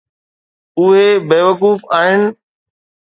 اهي بيوقوف آهن.